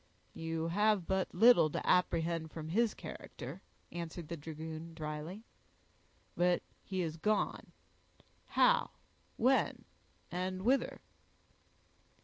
"You have but little to apprehend from his character," answered the dragoon dryly. "But he is gone—how—when—and whither?"